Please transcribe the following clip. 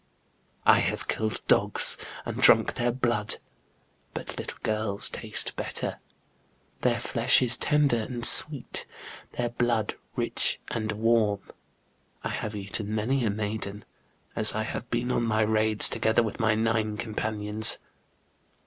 I have killed dogs and drunk their blood ; but little girls taste better, their flesh is tender and sweet, their blood rich and warm. I have eaten many a maiden, as I have been on my raids together with my nine companions.